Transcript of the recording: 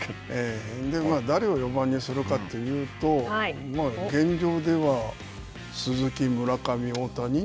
誰を４番にするかというと、まあ現状では鈴木、村上、大谷。